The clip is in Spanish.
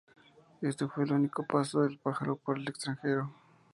Éste fue el único paso del "Pájaro" por el extranjero.